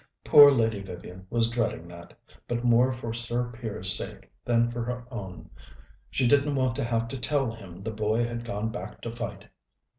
Poor Lady Vivian was dreading that but more for Sir Piers's sake than for her own. She didn't want to have to tell him the boy had gone back to fight.